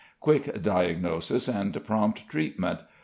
Quick diagnosis and prompt treatment.